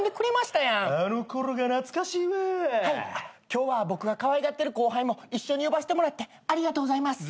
今日は僕がかわいがってる後輩も一緒に呼ばせてもらってありがとうございます。